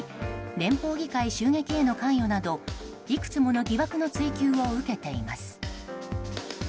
連邦議会襲撃への関与などいくつもの疑惑の追及を受けています。